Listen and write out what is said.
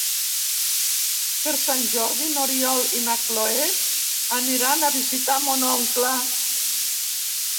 Per Sant Jordi n'Oriol i na Cloè aniran a visitar mon oncle.